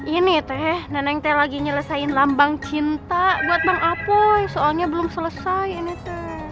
ini teh nenek teh lagi nyelesain lambang cinta buat bang apoy soalnya belum selesai ini tuh